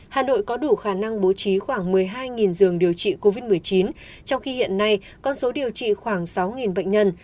hà nội có đủ khả năng bố trí khoảng một mươi hai giường điều trị covid một mươi chín trong khi hiện nay con số điều trị khoảng sáu bệnh nhân